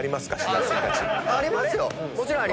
ありますよ。